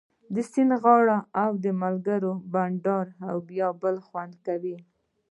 د سیند غاړه او د ملګرو بنډار بیا بل خوند کوي